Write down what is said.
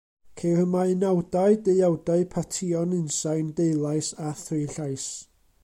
Ceir yma unawdau, deuawdau, partïon unsain, deulais a thri llais.